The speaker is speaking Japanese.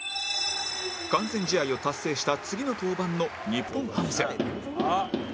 完全試合を達成した次の登板の日本ハム戦